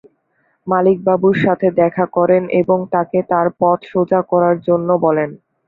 মালিক বাবুর সাথে দেখা করেন এবং তাকে তার পথ সোজা করার জন্য বলেন।